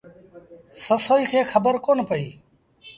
سسئيٚ کي کبر ئيٚ ڪونا پئيٚ۔